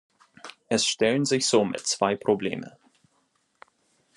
Es stellen sich somit zwei Probleme.